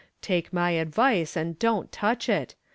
Take my advice and don't touch it.